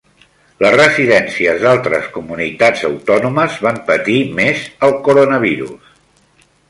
Les residències d'altres comunitats autònomes van patir més el coronavirus.